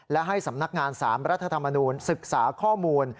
และให้สำนักงาน๓รัฐธรรมนูลศึกษาข้อมูล